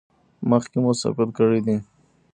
مخکې مو سقط کړی دی؟